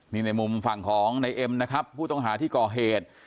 นี่ในมุมฝั่งของในเอ็มนะครับผู้ต้องหาที่ก่อเหตุ